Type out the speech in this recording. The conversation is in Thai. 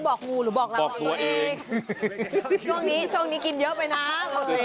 อันนี้บอกงูหรือบอกเราบอกตัวเองช่วงนี้กินเยอะไปนะบอกตัวเอง